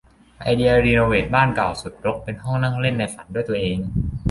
ไอเดียรีโนเวทบ้านเก่าสุดรกเป็นห้องนั่งเล่นในฝันด้วยตัวเอง